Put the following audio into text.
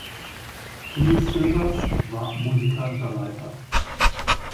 Louis Silvers war musikalischer Leiter.